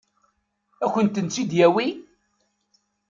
Ad kent-tent-id-yawi?